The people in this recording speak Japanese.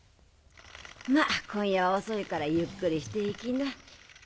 まぁ今夜は遅いからゆっくりして行きな。